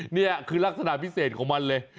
นี่คือลักษณะพิเศษของมันเลย